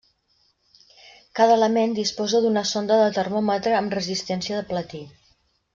Cada element disposa d'una sonda de termòmetre amb resistència de platí.